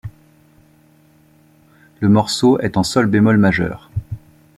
Le morceau est en sol bémol majeur.